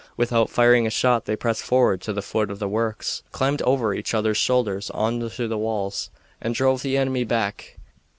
Without firing a shot they pressed forward to the foot of the works, climbed over each other's shoulders on to the walls, and drove the enemy back.